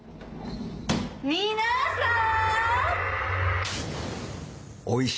皆さーん！